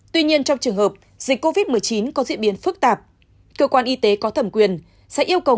tuy nhiên trong trường hợp dịch covid một mươi chín có diễn biến phức tạp cơ quan y tế có thẩm quyền sẽ yêu cầu